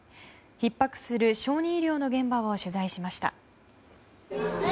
ひっ迫する小児医療の現場を取材しました。